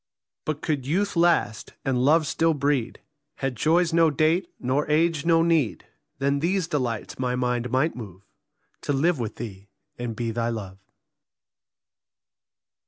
But could youth last, and love still breed, Had joys no date, nor age no need, Then these delights my mind might move To live with thee and be thy love.